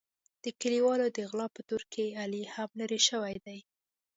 د کلیوالو د غلا په تور کې علي هم لړل شوی دی.